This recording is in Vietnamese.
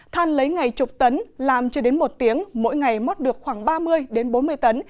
than lấy ngày chục tấn làm chưa đến một tiếng mỗi ngày móc được khoảng ba mươi bốn mươi tấn